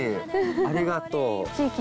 ありがとう！